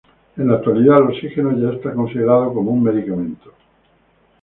En la actualidad el oxígeno ya es considerado como un medicamento.